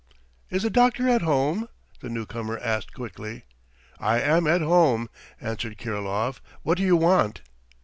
"Is the doctor at home?" the newcomer asked quickly. "I am at home," answered Kirilov. "What do you want?"